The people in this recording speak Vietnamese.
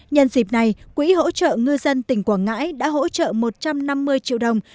nhân dịp này quỹ hỗ trợ ngư dân tỉnh quảng ngãi đã hỗ trợ một trăm năm mươi triệu đồng